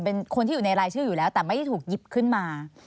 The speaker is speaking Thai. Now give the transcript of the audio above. เป็นคนที่อยู่ในรายชื่ออยู่แล้วแต่ไม่ได้ถูกหยิบขึ้นมา